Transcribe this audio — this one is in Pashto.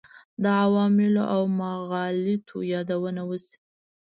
د عواملو او مغالطو یادونه وشي.